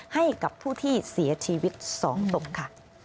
ให้กับผู้ที่เสียชีวิต๒ศพค่ะ